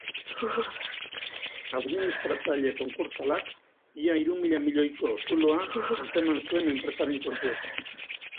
Administratzaile konkurtsalak ia hiru mila miloiko zuloa atzeman zuen enpresaren kontuetan.